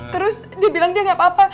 terus dia bilang dia gak apa apa